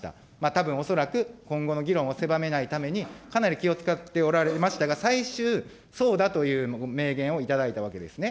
たぶん、恐らく、今後の議論を狭めないためにかなり気を遣っておられましたが、最終そうだという明言を頂いたわけですね。